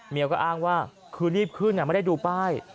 ก็อ้างว่าคือรีบขึ้นไม่ได้ดูป้าย